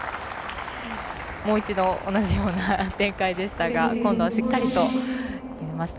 もう一度同じような展開でしたが今度はしっかりと決めました。